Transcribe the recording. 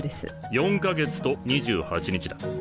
４か月と２８日だ。